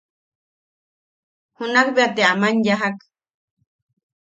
Junakbea te aman yajak.